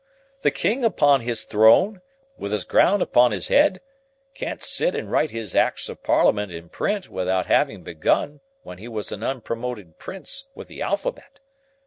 The king upon his throne, with his crown upon his ed, can't sit and write his acts of Parliament in print, without having begun, when he were a unpromoted Prince, with the alphabet.